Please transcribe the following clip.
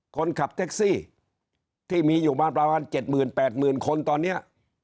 คนขับเท็กซี่ที่มีอยู่มาประมาณเจ็ดหมื่นแปดหมื่นคนตอนเนี้ย